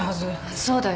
そうだよ。